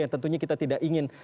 yang tentunya kita tidak ingin